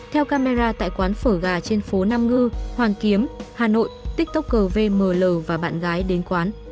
theo camera tại quán phở gà trên phố nam ngư hoàng kiếm hà nội tiktok gl và bạn gái đến quán